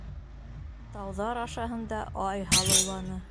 Тауҙар ашаһында Ай һалыуланы.